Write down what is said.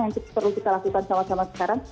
yang perlu kita lakukan sama sama sekarang